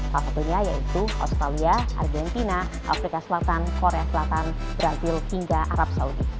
salah satunya yaitu australia argentina afrika selatan korea selatan brazil hingga arab saudi